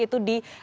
itu di bali